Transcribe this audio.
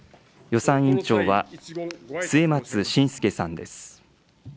予算委員長は、末松信介さんです。